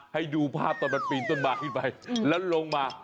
ให้ดูภาพตอนมันปีนต้นไม้ขึ้นไปแล้วลงมา